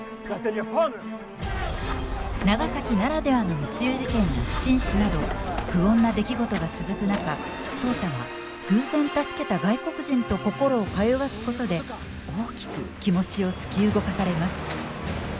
長崎ならではの密輸事件や不審死など不穏な出来事が続く中壮多は偶然助けた外国人と心を通わすことで大きく気持ちを突き動かされます。